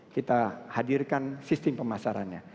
kita hadirkan sistem pemasarannya